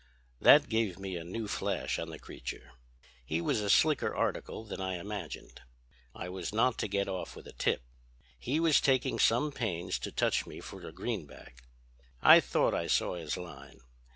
"That gave me a new flash on the creature. He was a slicker article than I imagined. I was not to get off with a tip. He was taking some pains to touch me for a greenback. I thought I saw his line.